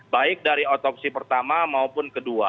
baik dari otopsi pertama maupun kedua